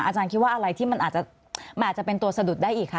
อาจารย์คิดว่าอะไรที่มันอาจจะเป็นตัวสะดุดได้อีกคะ